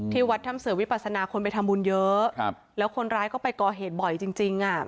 ที่วัดทำเสือวิปัสสนาคนไปทำบุญเยอะแล้วคนร้ายก็ไปก่อเหตุบ่อยจริง